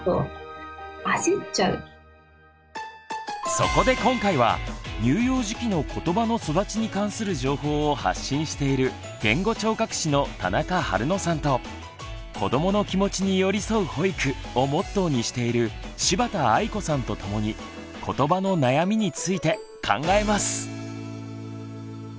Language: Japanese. そこで今回は乳幼児期のことばの育ちに関する情報を発信している言語聴覚士の田中春野さんと「子どもの気持ちに寄り添う保育」をモットーにしている柴田愛子さんとともにことばの悩みについて考えます。